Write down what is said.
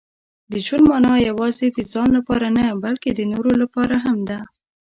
• د ژوند مانا یوازې د ځان لپاره نه، بلکې د نورو لپاره هم ده.